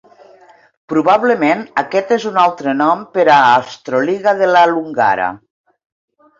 Probablement, aquest és un altre nom per a "astroliga della Lungara".